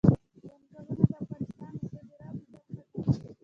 ځنګلونه د افغانستان د صادراتو برخه ده.